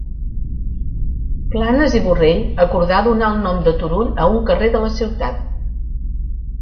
Planes i Borrell, acordà donar el nom de Turull a un carrer de la ciutat.